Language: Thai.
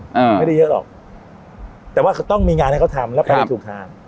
ไม่ได้เยอะหรอกแต่ว่าเขาต้องมีงานให้เขาทำแล้วไปถูกทาง